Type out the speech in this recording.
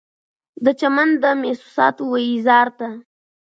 د چمن د محسوساتو و اظهار ته